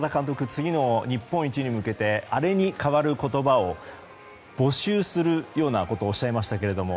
次の日本一に向けてアレに代わる言葉を募集するようなことをおっしゃいましたけれども。